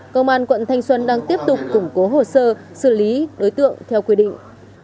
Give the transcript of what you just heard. công an quận thanh xuân đang tiếp tục củng cố hồ sơ xử lý đối tượng theo quy định